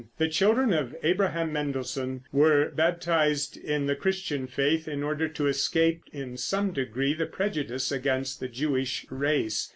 The children of Abraham Mendelssohn were baptized in the Christian faith in order to escape in some degree the prejudice against the Jewish race.